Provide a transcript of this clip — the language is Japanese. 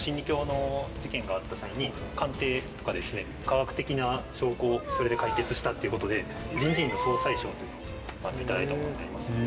があった際に鑑定とか科学的な証拠をそれで解決したっていうことで人事院の総裁賞というのを頂いたものになります。